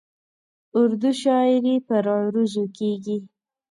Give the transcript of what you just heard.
اردو شاعري پر عروضو کېږي.